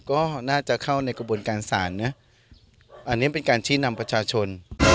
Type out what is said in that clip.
ก็น่าจะเข้าในกระบวนการศาลนะอันนี้เป็นการชี้นำประชาชน